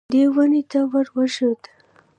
دی ونې ته ور وښوېد.